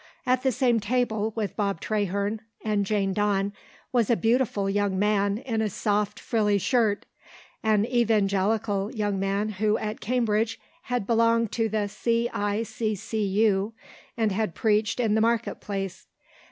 At the same table with Bob Traherne and Jane Dawn was a beautiful young man in a soft frilly shirt, an evangelical young man who at Cambridge had belonged to the C.I.C.C.U., and had preached in the Market Place.